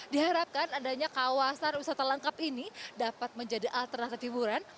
diharapkan adanya kawasan wisata lengkap ini dapat menjadi alternatif hiburan